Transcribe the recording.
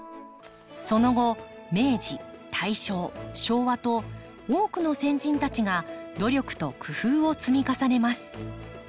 その後明治大正昭和と多くの先人たちが努力と工夫を積み重ねます。